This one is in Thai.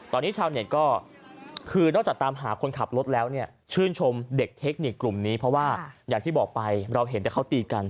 ตอนนี้ชาวเน็ตก็คือนอกจากตามหาคนขับรถแล้วเนี่ยชื่นชมเด็กเทคนิคกลุ่มนี้เพราะว่าอย่างที่บอกไปเราเห็นแต่เขาตีกัน